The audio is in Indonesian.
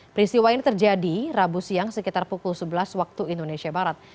peristiwa ini terjadi rabu siang sekitar pukul sebelas waktu indonesia barat